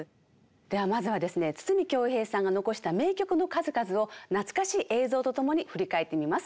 ではまずはですね筒美京平さんが残した名曲の数々を懐かしい映像と共に振り返ってみます。